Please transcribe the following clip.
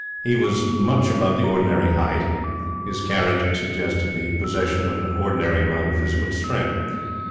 He was much about the ordinary height. His carriage suggested the possession of an ordinary amount of physical strength.